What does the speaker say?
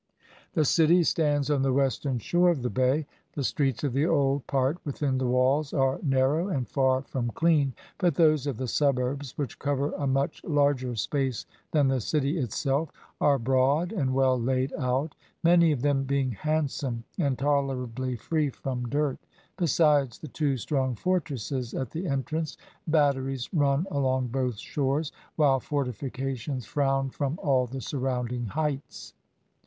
The city stands on the western shore of the bay. The streets of the old part within the walls are narrow and far from clean, but those of the suburbs, which cover a much larger space than the city itself, are broad and well laid out, many of them being handsome and tolerably free from dirt. Besides the two strong fortresses at the entrance, batteries run along both shores, while fortifications frown from all the surrounding heights.